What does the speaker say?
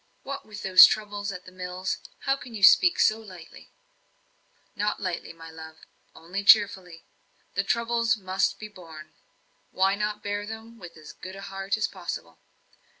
"What, with those troubles at the mills? How can you speak so lightly?" "Not lightly, love only cheerfully. The troubles must be borne; why not bear them with as good heart as possible?